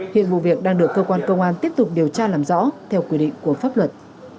hiện vụ việc đang được cơ quan công an tiếp tục điều tra làm rõ theo quy định của pháp luật